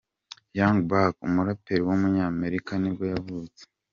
Young Buck, umuraperi w’umunyamerika nibwo yavutse.